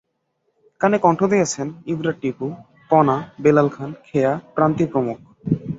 গানে কণ্ঠ দিয়েছেন ইবরার টিপু, কনা, বেলাল খান, খেয়া, প্রান্তি প্রমুখ।